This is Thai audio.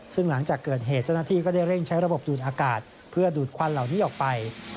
ซึ่งหลังจากเกิดเหตุเจ้าหน้าที่ก็ได้เร่งใช้ระบบดูดอากาศเพื่อดูดควันเหล่านี้ออกไป